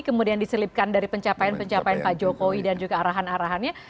kemudian diselipkan dari pencapaian pencapaian pak jokowi dan juga arahan arahannya